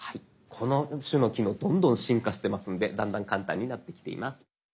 この種の機能どんどん進化してますのでだんだん簡単になってきています。